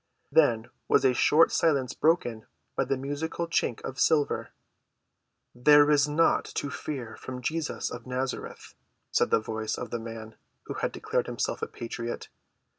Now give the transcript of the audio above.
Then was a short silence broken by the musical chink of silver. "There is naught to fear from Jesus of Nazareth," said the voice of the man who had declared himself a patriot.